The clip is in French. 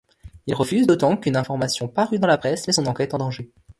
Il refuse, d'autant qu'une information parue dans la presse met son enquête en danger...